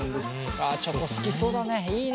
あチョコ好きそうだね。